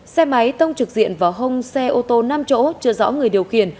xe máy tông trực diện vào hông xe ô tô năm chỗ chưa rõ người điều khiển